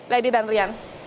lady dan rian